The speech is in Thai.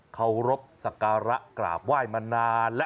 เคารพสักการะกราบไหว้มานานแล้ว